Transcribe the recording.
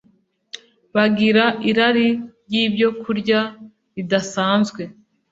bagira irari ryibyokurya ridasanzwe